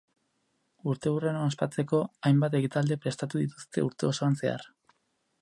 Urteurrena ospatzeko, hainbat ekitaldi prestatu dituzte urte osoan zehar.